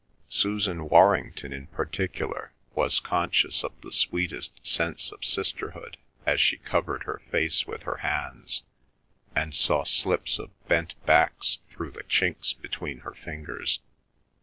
Susan Warrington in particular was conscious of the sweetest sense of sisterhood, as she covered her face with her hands and saw slips of bent backs through the chinks between her fingers.